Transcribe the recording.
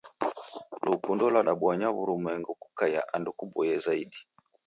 Lukundo lwadabonya w'urumwengu kukaiya andu kuboie zaidi.